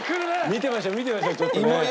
見てましょう見てましょうちょっとね。